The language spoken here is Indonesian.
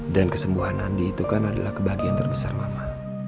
dan kesembuhan andi itu kan adalah kebahagiaan terbesar mama